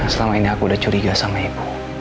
selama ini aku udah curiga sama ibu